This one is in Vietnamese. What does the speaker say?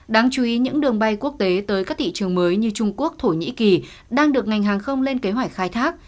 đáng chú ý những đường bay quốc tế tới các thị trường mới như trung quốc thổ nhĩ kỳ đang được ngành hàng không lên kế hoạch khai thác